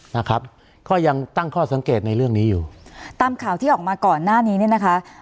นะครับก็ยังตั้งข้อสังเกตในเรื่องนี้อยู่ตามข่าวที่ออกมาก่อนหน้านี้เนี่ยนะคะ